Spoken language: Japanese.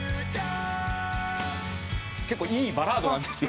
結構いいバラードなんですよ。